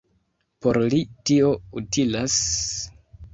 Por li tio utilas!